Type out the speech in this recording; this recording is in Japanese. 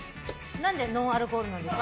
何でノンアルコールなんですか？